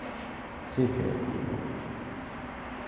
Székhelye Puno.